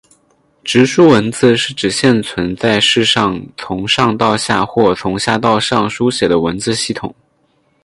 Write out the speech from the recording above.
直书文字是指现存在世上从上到下或从下到上书写的文字系统。